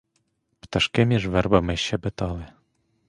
Пташки між вербами щебетали.